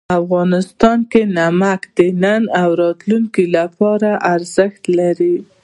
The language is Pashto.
افغانستان کې نمک د نن او راتلونکي لپاره ارزښت لري.